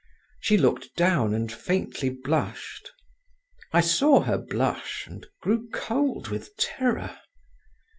She looked down and faintly blushed. I saw her blush, and grew cold with terror.